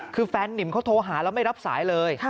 คือแฟนนิมเขาโทรหาแล้วไม่รับสายเลย